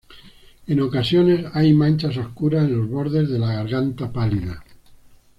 En ocasiones, hay manchas oscuras en los bordes de la garganta pálida.